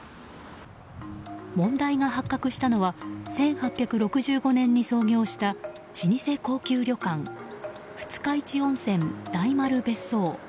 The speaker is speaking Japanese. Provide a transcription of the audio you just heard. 問題が発覚したのは１８６５年に創業した老舗高級旅館二日市温泉、大丸別荘。